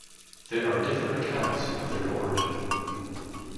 There are different accounts of their origin.